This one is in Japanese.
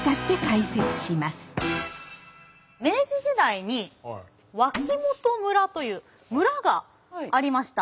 明治時代に脇本村という村がありました。